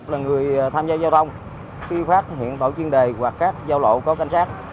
là người tham gia giao thông khi phát hiện tội chuyên đề hoặc các giao lộ có cảnh sát